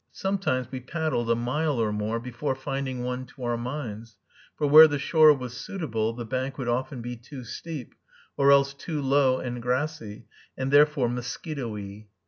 Sometimes we paddled a mile or more before finding one to our minds, for where the shore was suitable, the bank would often be too steep, or else too low and grassy, and therefore mosquitoey.